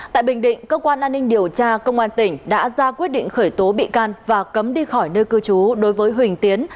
tại bình định cơ quan an ninh điều tra công an tỉnh đã ra quyết định khởi tố bị can và cấm đi khỏi nơi cư trú đối với huỳnh tiến